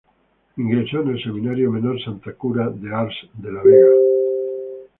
Ingresó en el Seminario Menor Santo Cura de Ars de La Vega.